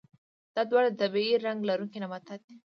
دا دواړه د طبیعي رنګ لرونکي نباتات دي.